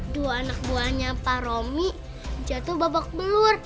dua anak buahnya pak romi jatuh babak belur